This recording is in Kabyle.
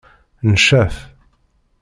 Ncef.